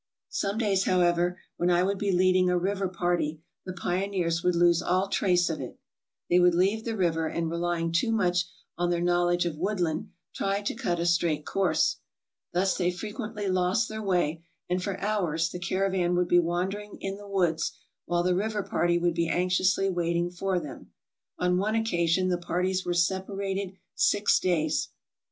Some days, however, when I would be leading a river party, the pioneers would lose all trace of it. They would leave the river and relying too much on their knowledge of woodland, try to cut a straight course. Thus they frequently lost their way, and for hours the caravan would be wandering in the woods while the river party would be anxiously waiting for them. On one occasion the parties were separated six days.